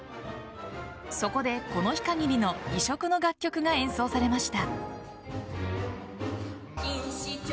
そこで、この日限りの異色の楽曲が演奏されました。